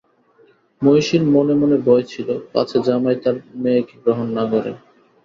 মহিষীর মনে মনে ভয় ছিল, পাছে জামাই তাঁর মেয়েকে গ্রহণ না করে।